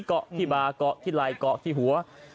เกาะที่บาร์เกาะที่ไหล่เกาะที่หัว